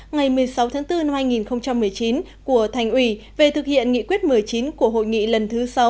ngày một mươi sáu tháng bốn năm hai nghìn một mươi chín của thành ủy về thực hiện nghị quyết một mươi chín của hội nghị lần thứ sáu